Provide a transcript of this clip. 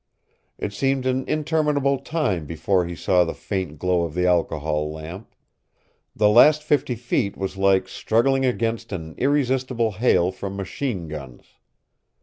It seemed an interminable time before he saw the faint glow of the alcohol lamp. The last fifty feet was like struggling against an irresistible hail from machine guns.